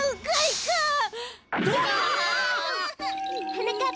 はなかっ